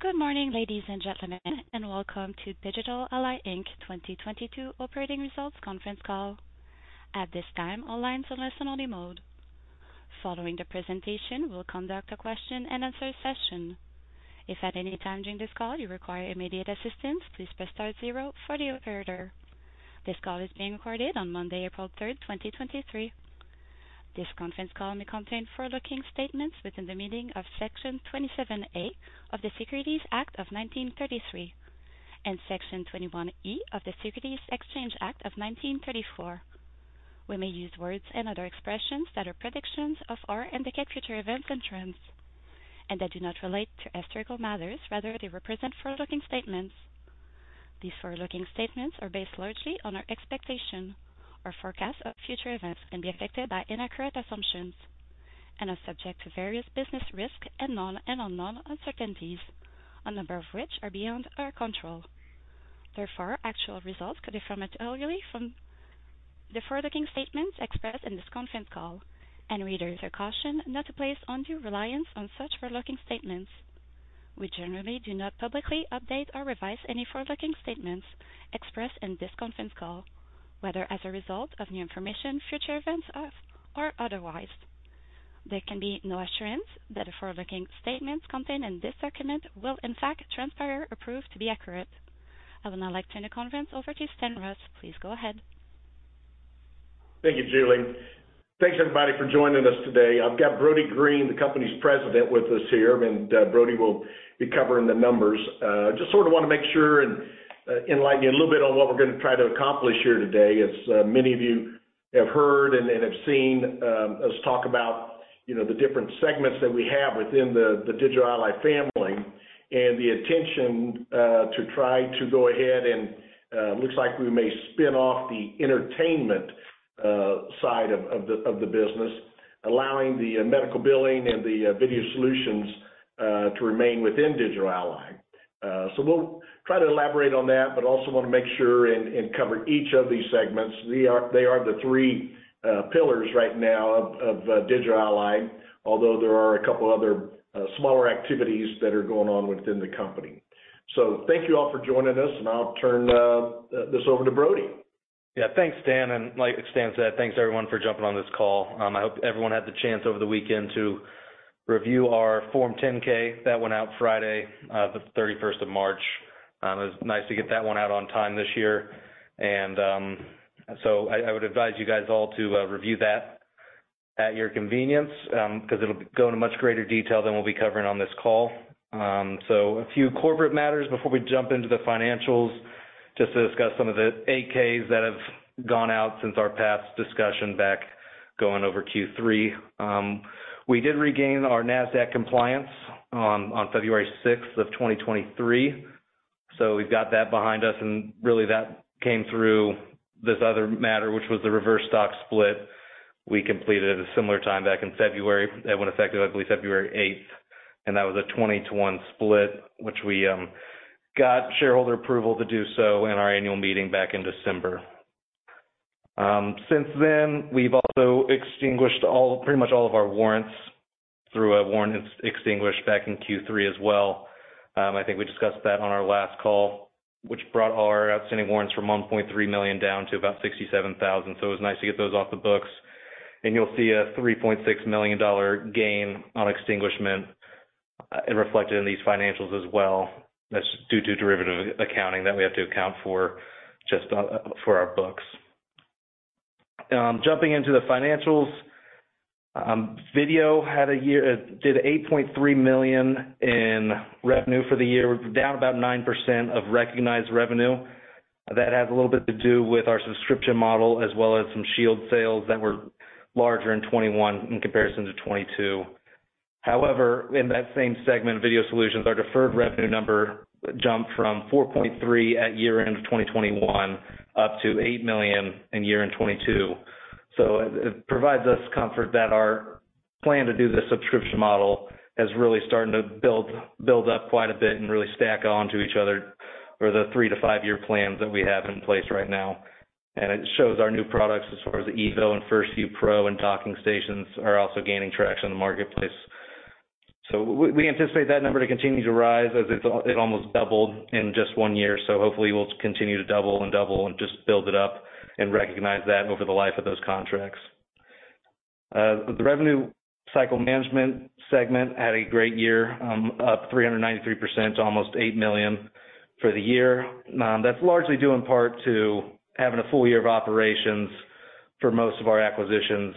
Good morning, ladies and gentlemen, and welcome to Digital Ally, Inc. 2022 operating results conference call. At this time, all lines are in listen only mode. Following the presentation, we'll conduct a question-and-answer session. If at any time during this call you require immediate assistance, please press star zero for the operator. This call is being recorded on Monday, April 3rd, 2023. This conference call may contain forward-looking statements within the meaning of Section 27A of the Securities Act of 1933 and Section 21E of the Securities Exchange Act of 1934. We may use words and other expressions that are predictions of our indicate future events and trends and that do not relate to historical matters. They represent forward-looking statements. These forward-looking statements are based largely on our expectation. Our forecasts of future events can be affected by inaccurate assumptions and are subject to various business risks and known and unknown uncertainties, a number of which are beyond our control. Actual results could differ materially from the forward-looking statements expressed in this conference call, and readers are cautioned not to place undue reliance on such forward-looking statements. We generally do not publicly update or revise any forward-looking statements expressed in this conference call, whether as a result of new information, future events or otherwise. There can be no assurance that the forward-looking statements contained in this document will in fact transpire or prove to be accurate. I would now like to turn the conference over to Stan Ross. Please go ahead. Thank you, Julie. Thanks everybody for joining us today. I've got Brody Green, the company's president, with us here, and Brody will be covering the numbers. Just sort of want to make sure and enlighten you a little bit on what we're gonna try to accomplish here today. As many of you have heard and have seen, us talk about, you know, the different segments that we have within the Digital Ally family and the intention to try to go ahead and looks like we may spin off the entertainment side of the business, allowing the medical billing and the video solutions to remain within Digital Ally. We'll try to elaborate on that, but also want to make sure and cover each of these segments. They are the three pillars right now of Digital Ally, although there are a couple other smaller activities that are going on within the company. Thank you all for joining us, and I'll turn this over to Brody. Yeah, thanks, Stan. Like Stan said, thanks everyone for jumping on this call. I hope everyone had the chance over the weekend to review our Form 10-K. That went out Friday, March 31st. It was nice to get that one out on time this year. I would advise you guys all to review that at your convenience, 'cause it'll go into much greater detail than we'll be covering on this call. A few corporate matters before we jump into the financials, just to discuss some of the 8-Ks that have gone out since our past discussion back going over Q3. We did regain our Nasdaq compliance on February 6th, 2023. We've got that behind us and really that came through this other matter, which was the reverse stock split we completed at a similar time back in February. That went effective, I believe, February 8th. That was a 20-to-1 split, which we got shareholder approval to do so in our annual meeting back in December. Since then, we've also extinguished pretty much all of our warrants through a warrant extinguished back in Q3 as well. I think we discussed that on our last call, which brought our outstanding warrants from $1.3 million down to about 67,000. It was nice to get those off the books. You'll see a $3.6 million gain on extinguishment reflected in these financials as well. That's due to derivative accounting that we have to account for just for our books. Jumping into the financials, Video did $8.3 million in revenue for the year, down about 9% of recognized revenue. That has a little bit to do with our subscription model as well as some Shield sales that were larger in 2021 in comparison to 2022. In that same segment, Video Solutions, our deferred revenue number jumped from $4.3 million at year-end of 2021 up to $8 million in year-end 2022. It provides us comfort that our plan to do the subscription model is really starting to build up quite a bit and really stack on to each other for the three-to-five-year plans that we have in place right now. It shows our new products as far as the EVO-HD and FirstVu PRO and docking stations are also gaining traction in the marketplace. We anticipate that number to continue to rise as it almost doubled in just one year. Hopefully it will continue to double and just build it up and recognize that over the life of those contracts. The revenue cycle management segment had a great year, up 393% to almost $8 million for the year. That's largely due in part to having a full year of operations for most of our acquisitions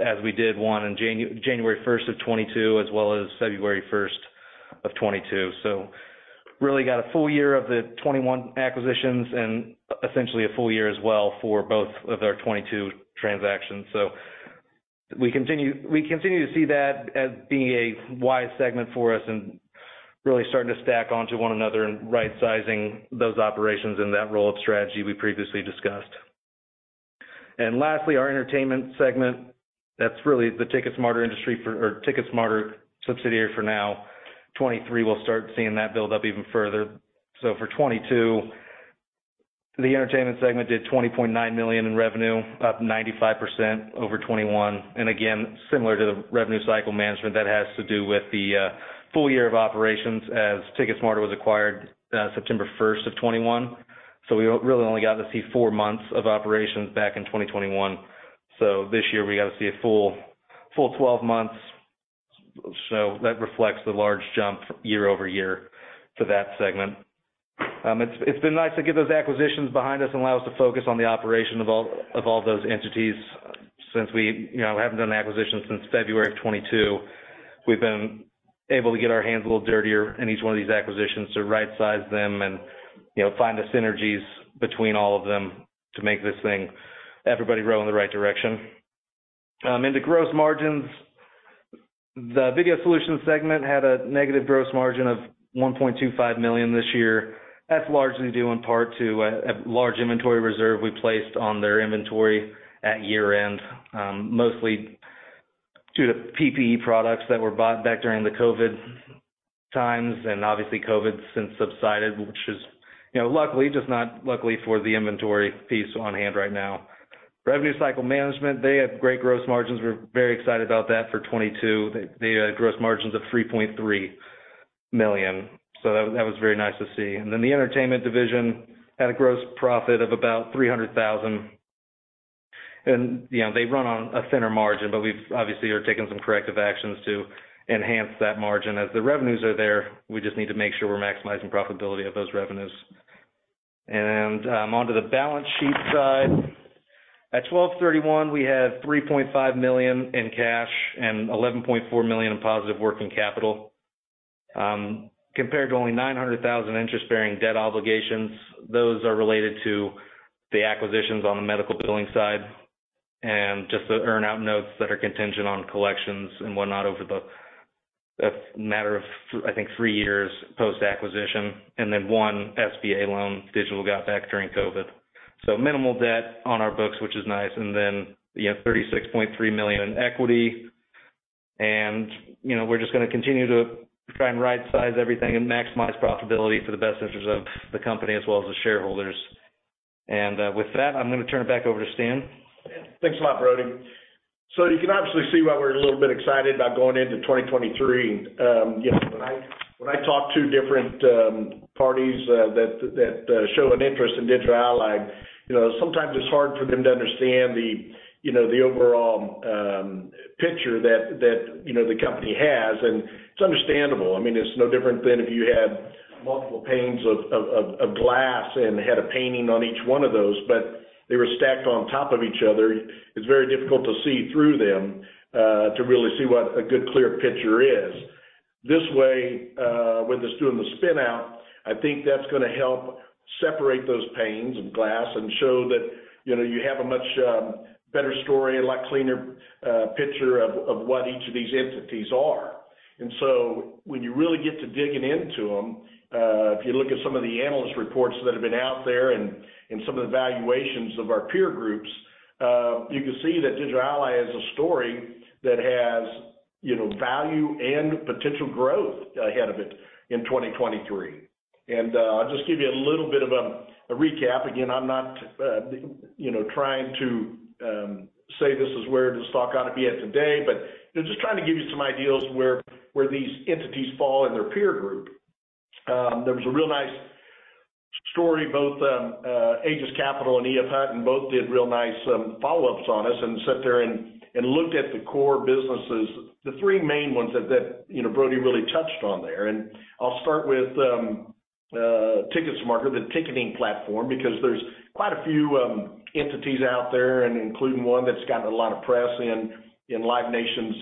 as we did one in January 1st of 2022 as well as February 1st of 2022. Really got a full year of the 2021 acquisitions and essentially a full year as well for both of our 2022 transactions. We continue to see that as being a wise segment for us and really starting to stack onto one another and right-sizing those operations in that roll-up strategy we previously discussed. Lastly, our entertainment segment, that's really the TicketSmarter subsidiary for now. 2023, we'll start seeing that build up even further. For 2022, the entertainment segment did $20.9 million in revenue, up 95% over 2021. Again, similar to the revenue cycle management, that has to do with the full year of operations as TicketSmarter was acquired September 1st, 2021. We really only got to see four months of operations back in 2021. This year we got to see a full 12 months. That reflects the large jump year-over-year for that segment. It's been nice to get those acquisitions behind us and allow us to focus on the operation of all those entities since we, you know, haven't done an acquisition since February of 2022. We've been able to get our hands a little dirtier in each one of these acquisitions to rightsize them and, you know, find the synergies between all of them to make this thing everybody row in the right direction. In the gross margins, the Video Solutions segment had a negative gross margin of $1.25 million this year. That's largely due in part to a large inventory reserve we placed on their inventory at year-end, mostly due to PPE products that were bought back during the COVID times. Obviously COVID's since subsided, which is, you know, luckily, just not luckily for the inventory piece on hand right now. revenue cycle management, they had great gross margins. We're very excited about that for 2022. They had gross margins of $3.3 million. That was very nice to see. Then the entertainment division had a gross profit of about $300,000. You know, they run on a thinner margin, but we've obviously are taking some corrective actions to enhance that margin. As the revenues are there, we just need to make sure we're maximizing profitability of those revenues. Onto the balance sheet side. At 12/31, we had $3.5 million in cash and $11.4 million in positive working capital, compared to only $900,000 interest-bearing debt obligations. Those are related to the acquisitions on the medical billing side and just the earn-out notes that are contingent on collections and whatnot over a matter of three years post-acquisition, and then one SBA loan Digital Ally got back during COVID. Minimal debt on our books, which is nice. You have $36.3 million in equity. You know, we're just gonna continue to try and rightsize everything and maximize profitability for the best interest of the company as well as the shareholders. With that, I'm gonna turn it back over to Stan. Thanks a lot, Brody. You can obviously see why we're a little bit excited about going into 2023. You know, when I talk to different parties, that show an interest in Digital Ally, you know, sometimes it's hard for them to understand the, you know, the overall picture that, you know, the company has, and it's understandable. I mean, it's no different than if you had multiple panes of glass and had a painting on each one of those, but they were stacked on top of each other. It's very difficult to see through them to really see what a good, clear picture is. This way, with us doing the spin-out, I think that's gonna help separate those panes of glass and show that, you know, you have a much better story and a lot cleaner picture of what each of these entities are. When you really get to digging into them, if you look at some of the analyst reports that have been out there and some of the valuations of our peer groups, you can see that Digital Ally has a story that has, you know, value and potential growth ahead of it in 2023. I'll just give you a little bit of a recap. Again, I'm not, you know, trying to say this is where the stock ought to be at today, but, you know, just trying to give you some ideas where these entities fall in their peer group. There was a real nice story, both Aegis Capital and EF Hutton both did real nice follow-ups on us and sat there and looked at the core businesses, the three main ones that, you know, Brody really touched on there. I'll start with TicketSmarter, the ticketing platform, because there's quite a few entities out there, including one that's gotten a lot of press in Live Nation's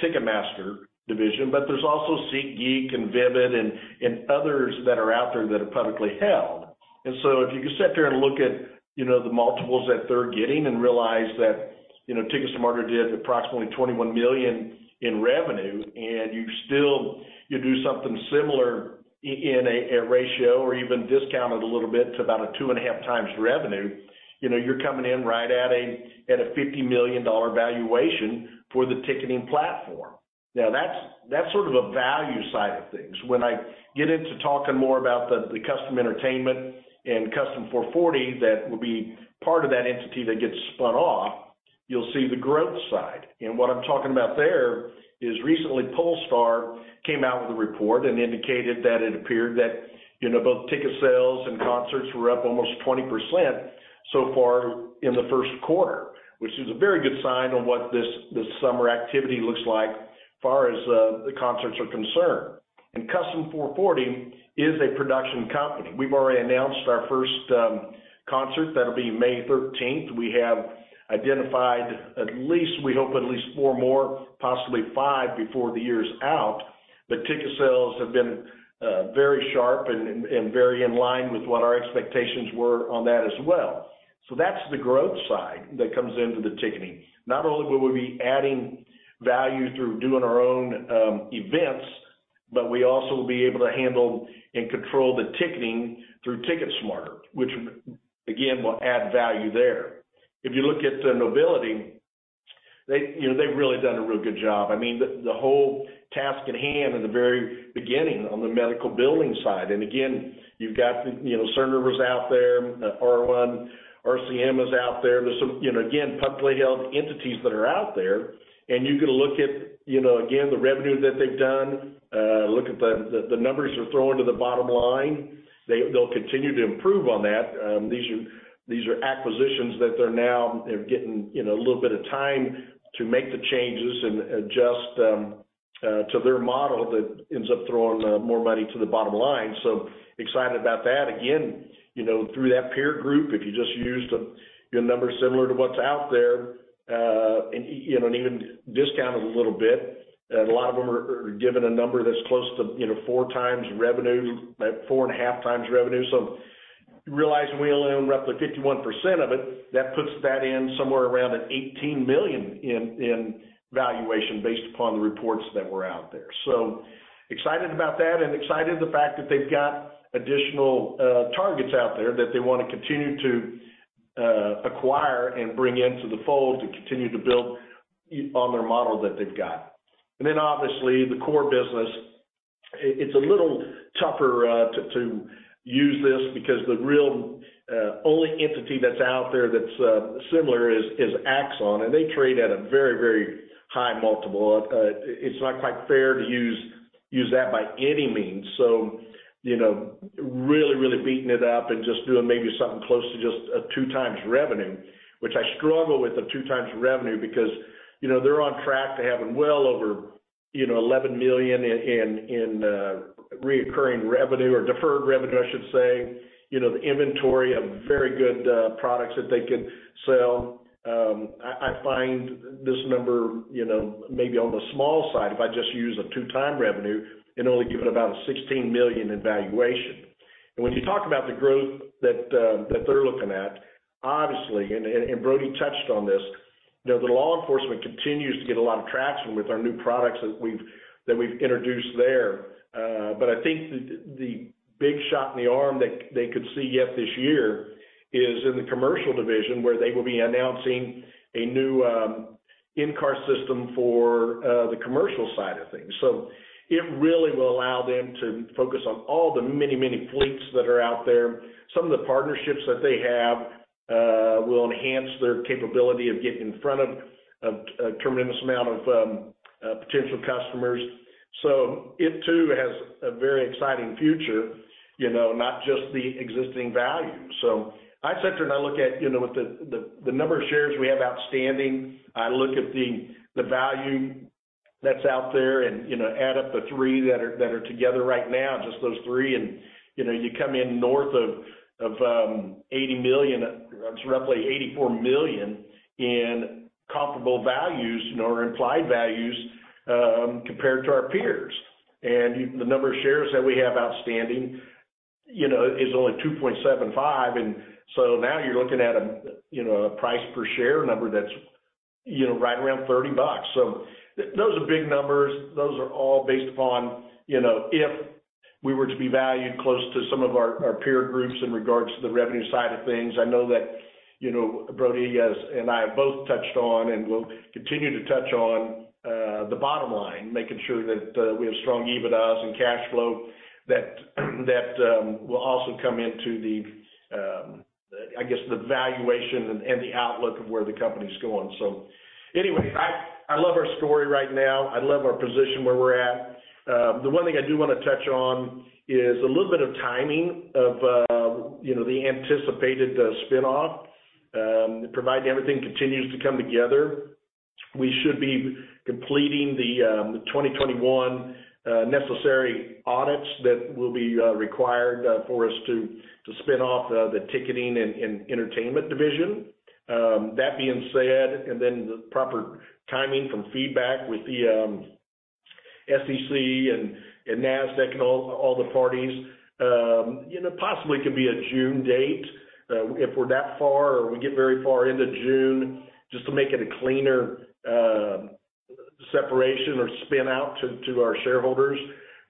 Ticketmaster division. There's also SeatGeek and Vivid and others that are out there that are publicly held. If you can sit there and look at, you know, the multiples that they're getting and realize that, you know, TicketSmarter did approximately $21 million in revenue, you do something similar in a ratio or even discounted a little bit to about a 2.5x revenue, you know, you're coming in right at a, at a $50 million valuation for the ticketing platform. Now that's sort of a value side of things. When I get into talking more about the Kustom Entertainment and Kustom 440 that will be part of that entity that gets spun off, you'll see the growth side. What I'm talking about there is recently Pollstar came out with a report and indicated that it appeared that, you know, both ticket sales and concerts were up almost 20% so far in the 1st quarter, which is a very good sign on what this, the summer activity looks like far as, the concerts are concerned. Kustom 440 is a production company. We've already announced our first concert. That'll be May 13th. We have identified at least, we hope at least four more, possibly five before the year is out. The ticket sales have been very sharp and very in line with what our expectations were on that as well. That's the growth side that comes into the ticketing. Not only will we be adding value through doing our own events, but we also will be able to handle and control the ticketing through TicketSmarter, which again, will add value there. If you look at the Nobility, they, you know, they've really done a real good job. I mean, the whole task at hand in the very beginning on the medical billing side. Again, you've got, you know, Cerner was out there, R1 RCM was out there. There's some, you know, again, publicly held entities that are out there, and you can look at, you know, again, the revenue that they've done, look at the numbers they're throwing to the bottom line. They'll continue to improve on that. These are acquisitions that they're getting, you know, a little bit of time to make the changes and adjust to their model that ends up throwing more money to the bottom line. Excited about that. Again, you know, through that peer group, if you just used a, you know, number similar to what's out there, and you know, and even discounted a little bit, a lot of them are given a number that's close to, you know, 4x revenue, at 4.5x revenue. Realizing we only own roughly 51% of it, that puts that in somewhere around $18 million in valuation based upon the reports that were out there. Excited about that and excited the fact that they've got additional targets out there that they wanna continue to acquire and bring into the fold to continue to build on their model that they've got. Obviously, the core business, it's a little tougher to use this because the real only entity that's out there that's similar is Axon, and they trade at a very, very high multiple. It's not quite fair to use that by any means. You know, really beating it up and just doing maybe something close to just a 2x revenue, which I struggle with the 2x revenue because, you know, they're on track to having well over $11 million in reoccurring revenue or deferred revenue, I should say. You know, the inventory of very good products that they can sell. I find this number, you know, may be on the small side if I just use a 2x revenue and only give it about a $16 million in valuation. When you talk about the growth that they're looking at, obviously, and Brody touched on this, you know, the law enforcement continues to get a lot of traction with our new products that we've introduced there. I think the big shot in the arm that they could see yet this year is in the commercial division, where they will be announcing a new in-car system for the commercial side of things. It really will allow them to focus on all the many fleets that are out there. Some of the partnerships that they have, will enhance their capability of getting in front of a tremendous amount of potential customers. It too has a very exciting future, you know, not just the existing value. I sit here and I look at, you know, what the number of shares we have outstanding. I look at the value that's out there and, you know, add up the three that are together right now, just those three, and, you know, you come in north of $80 million. It's roughly $84 million in comparable values or implied values, compared to our peers. The number of shares that we have outstanding, you know, is only 2.75, now you're looking at a, you know, a price per share number that's, you know, right around $30. Those are big numbers. Those are all based upon, you know, if we were to be valued close to some of our peer groups in regards to the revenue side of things. I know that, you know, Brody has and I have both touched on, and we'll continue to touch on, the bottom line, making sure that we have strong EBITDAs and cash flow that will also come into the, I guess, the valuation and the outlook of where the company's going. I love our story right now. I love our position where we're at. The one thing I do wanna touch on is a little bit of timing of, you know, the anticipated spin-off, provided everything continues to come together. We should be completing the 2021 necessary audits that will be required for us to spin off the ticketing and entertainment division. That being said, the proper timing from feedback with the SEC and Nasdaq and all the parties, you know, possibly could be a June date. If we're that far or we get very far into June, just to make it a cleaner separation or spin out to our shareholders,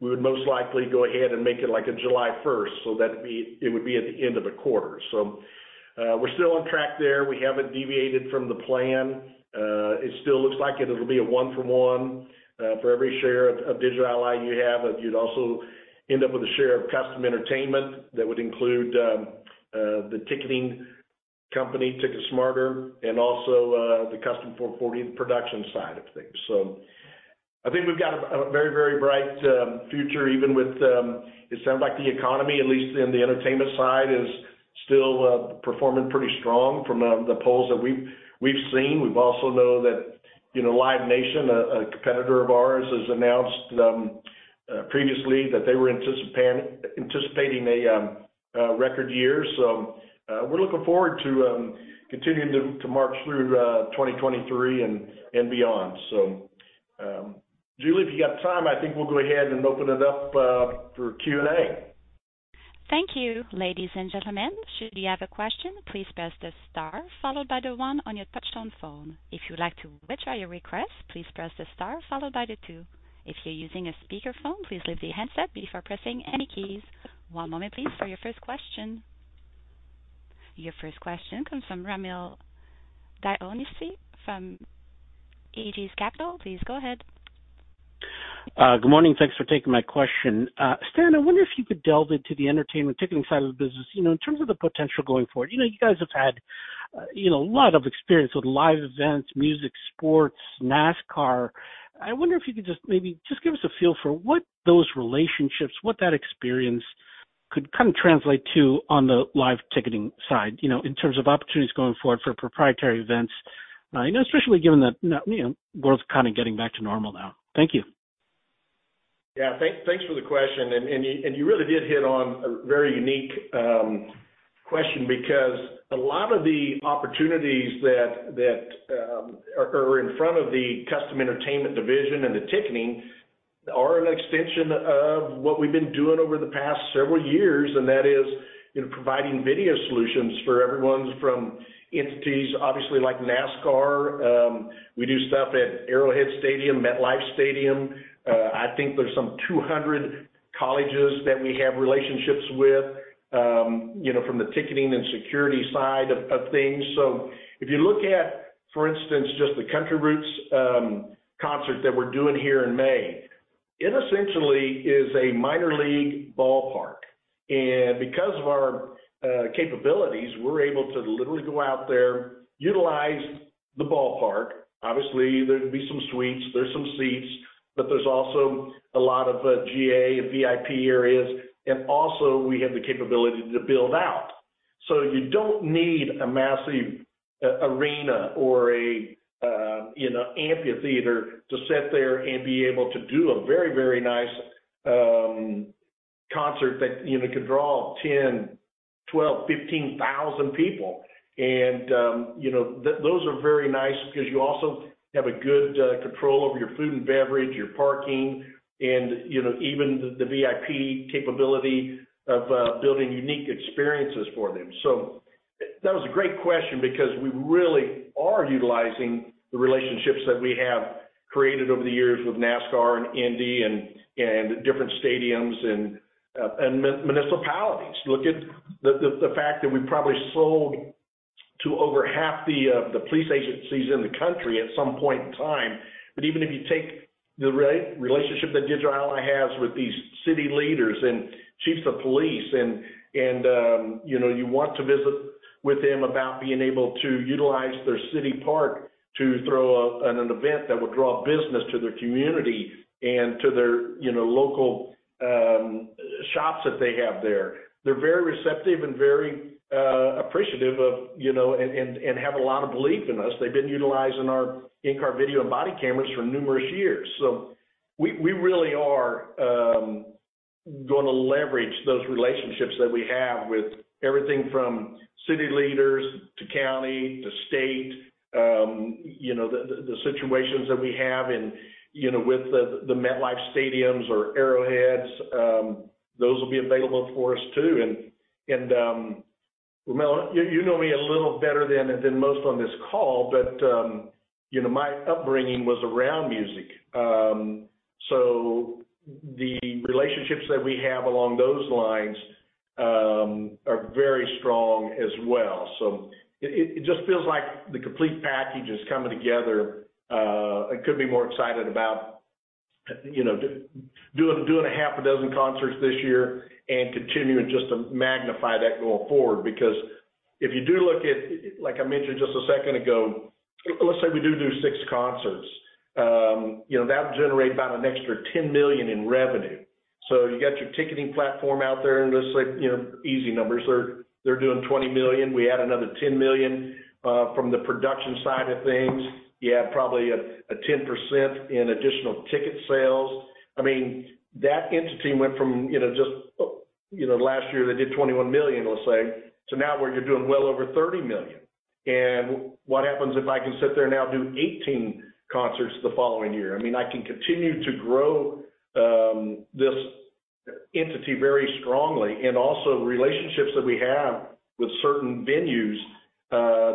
we would most likely go ahead and make it like a July first so that it would be at the end of a quarter. We're still on track there. We haven't deviated from the plan. It still looks like it'll be a one for one. For every share of Digital Ally you have, you'd also end up with a share of Kustom Entertainment. That would include the ticketing company, TicketSmarter, and also the Kustom 440 production side of things. I think we've got a very bright future, even with it sounds like the economy, at least in the entertainment side, is still performing pretty strong from the polls that we've seen. We've also know that, you know, Live Nation, a competitor of ours, has announced previously that they were anticipating a record year. We're looking forward to continuing to march through 2023 and beyond. Julie, if you got time, I think we'll go ahead and open it up for Q&A. Thank you. Ladies and gentlemen, should you have a question, please press the star followed by the one on your touchtone phone. If you'd like to withdraw your request, please press the star followed by the two. If you're using a speakerphone, please lift the handset before pressing any keys. One moment please for your first question. Your first question comes from Rommel Dionisio from Aegis Capital. Please go ahead. Good morning. Thanks for taking my question. Stan, I wonder if you could delve into the entertainment ticketing side of the business, you know, in terms of the potential going forward. You know, you guys have had, you know, a lot of experience with live events, music, sports, NASCAR. I wonder if you could just maybe just give us a feel for what those relationships, what that experience could kind of translate to on the live ticketing side, you know, in terms of opportunities going forward for proprietary events, you know, especially given that, you know, world's kind of getting back to normal now. Thank you. Yeah. Thanks for the question. You really did hit on a very unique question because a lot of the opportunities that are in front of the Kustom Entertainment division and the ticketing are an extension of what we've been doing over the past several years, and that is, you know, providing video solutions for everyone from entities, obviously like NASCAR, we do stuff at Arrowhead Stadium, MetLife Stadium. I think there's some 200 colleges that we have relationships with, you know, from the ticketing and security side of things. If you look at, for instance, just the Country Roots concert that we're doing here in May, it essentially is a minor league ballpark. Because of our capabilities, we're able to literally go out there, utilize the ballpark. Obviously, there'd be some suites, there's some seats, but there's also a lot of GA and VIP areas, and also we have the capability to build out. You don't need a massive arena or a, you know, amphitheater to sit there and be able to do a very, very nice concert that, you know, could draw 10, 12, 15,000 people. You know, those are very nice because you also have a good control over your food and beverage, your parking, and, you know, even the VIP capability of building unique experiences for them. That was a great question because we really are utilizing the relationships that we have created over the years with NASCAR and Indy and different stadiums and municipalities. Look at the fact that we probably sold to over half the police agencies in the country at some point in time. Even if you take the relationship that Digital Ally has with these city leaders and chiefs of police and, you know, you want to visit with them about being able to utilize their city park to throw an event that would draw business to their community and to their, you know, local shops that they have there. They're very receptive and very appreciative of, you know, and have a lot of belief in us. They've been utilizing our in-car video and body cameras for numerous years. We really are gonna leverage those relationships that we have with everything from city leaders to county to state. You know, the, the situations that we have in, you know, with the MetLife Stadiums or Arrowheads, those will be available for us too. Ramil, you know me a little better than most on this call, but, you know, my upbringing was around music. The relationships that we have along those lines are very strong as well. It just feels like the complete package is coming together. I couldn't be more excited about, you know, doing a half a dozen concerts this year and continuing just to magnify that going forward. Because if you do look at, like I mentioned just a second ago, let's say we do six concerts, you know, that would generate about an extra $10 million in revenue. You got your ticketing platform out there, and let's say, you know, easy numbers, they're doing $20 million. We add another $10 million from the production side of things. You add probably a 10% in additional ticket sales. I mean, that entity went from, you know, just, you know, last year they did $21 million, let's say, to now where you're doing well over $30 million. What happens if I can sit there and now do 18 concerts the following year? I mean, I can continue to grow this entity very strongly. Also relationships that we have with certain venues,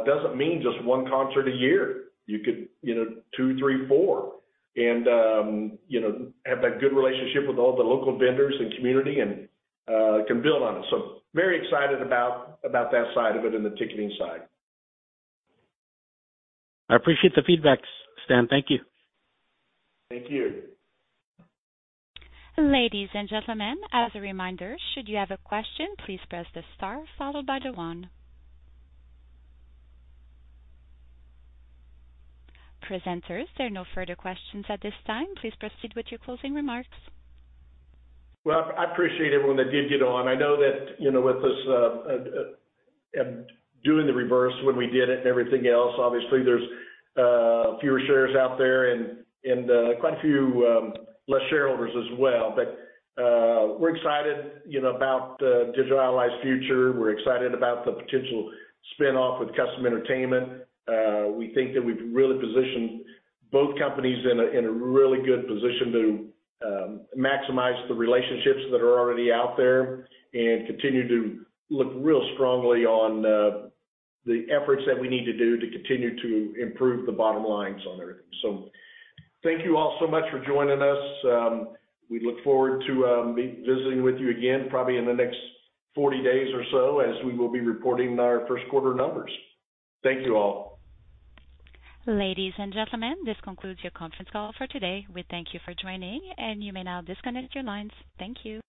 doesn't mean just one concert a year. You could, you know, two, three, four and, you know, have that good relationship with all the local vendors and community and can build on it. very excited about that side of it and the ticketing side. I appreciate the feedback, Stan. Thank you. Thank you. Ladies and gentlemen, as a reminder, should you have a question, please press the star followed by the one. Presenters, there are no further questions at this time. Please proceed with your closing remarks. I appreciate everyone that did get on. I know that, you know, with this doing the reverse when we did it and everything else, obviously there's fewer shares out there and quite a few less shareholders as well. We're excited, you know, about Digital Ally's future. We're excited about the potential spin off with Kustom Entertainment. We think that we've really positioned both companies in a, in a really good position to maximize the relationships that are already out there and continue to look real strongly on the efforts that we need to do to continue to improve the bottom lines on everything. Thank you all so much for joining us. We look forward to visiting with you again probably in the next 40 days or so as we will be reporting our first quarter numbers. Thank you all. Ladies and gentlemen, this concludes your conference call for today. We thank you for joining, and you may now disconnect your lines. Thank you.